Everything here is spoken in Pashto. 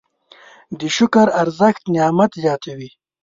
د شکر ارزښت نعمت زیاتوي.